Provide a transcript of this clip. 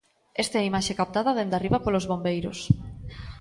Esta é a imaxe captada dende arriba polos bombeiros.